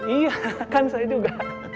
iya kan saya juga